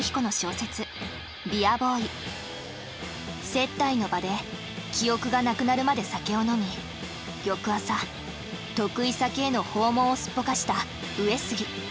接待の場で記憶がなくなるまで酒を飲み翌朝得意先への訪問をすっぽかした上杉。